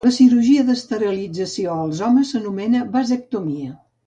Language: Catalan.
La cirurgia d'esterilització als homes s'anomena vasectomia.